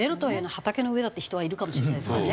畑の上だって人はいるかもしれないですからね。